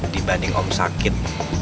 dibanding om sakit